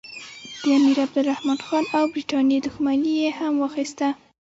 د امیرعبدالرحمن خان او برټانیې دښمني یې هم واخیسته.